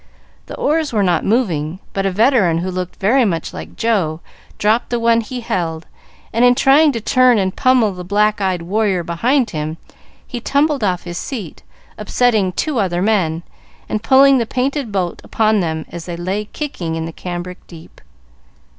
The oars were not moving, but a veteran, who looked very much like Joe, dropped the one he held, and in trying to turn and pummel the black eyed warrior behind him, he tumbled off his seat, upsetting two other men, and pulling the painted boat upon them as they lay kicking in the cambric deep.